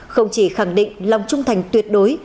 không chỉ khẳng định lòng trung thành tuyệt đối